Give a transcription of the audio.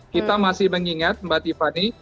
kita masih mengingat mbak tiffany